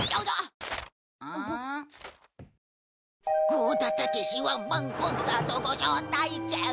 「剛田武ワンマンコンサートご招待券」？